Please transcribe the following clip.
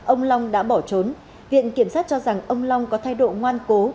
ông long đã bỏ trốn viện kiểm sát cho rằng ông long có thay độ ngoan cố